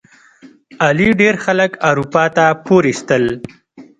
علي ډېر خلک اروپا ته پورې ایستل.